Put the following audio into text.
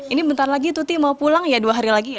ini bentar lagi tuti mau pulang ya dua hari lagi ya